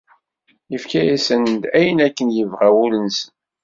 Ifka-asen-d ayen akken yebɣa wul-nsen.